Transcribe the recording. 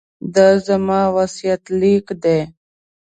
دا زما وصیت لیک دی.